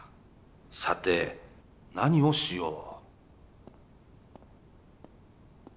さて何をしよう